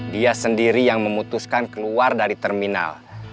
dia sendiri yang memutuskan keluar dari terminal